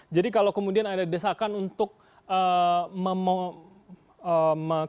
jadi kalau kemudian ada desakan untuk memakai